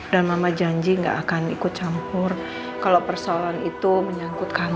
dan mama janji gak akan ikut campur kalau persoalan itu menyangkut kamu din